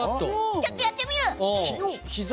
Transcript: ちょっとやってみる！